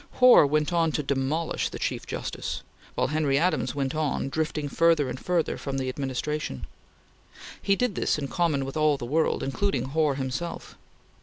Hoar went on to demolish the Chief Justice; while Henry Adams went on, drifting further and further from the Administration. He did this in common with all the world, including Hoar himself.